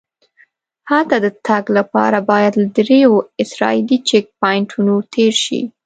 هلته د تګ لپاره باید له ډېرو اسرایلي چیک پواینټونو تېر شې.